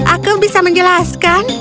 aku bisa menjelaskan